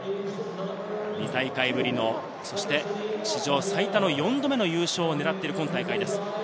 ２大会ぶりの、そして史上最多の４度目の優勝を狙っている今大会です。